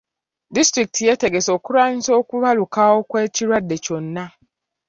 Disitulikiti yeetegese okulwanyisa okubalukawo kw'ekirwadde kyonna.